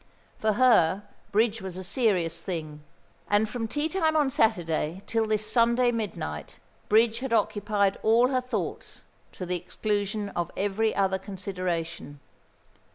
For her bridge was a serious thing; and from tea time on Saturday till this Sunday midnight bridge had occupied all her thoughts, to the exclusion of every other consideration.